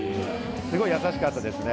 すごい優しかったですね